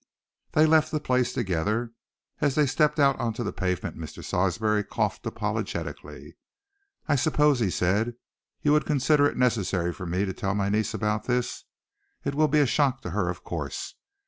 They left the place together. As they stepped out on to the pavement, Mr. Sarsby coughed apologetically. "I suppose," said he, "you would consider it necessary for me to tell my niece about this? It will be a shock to her, of course.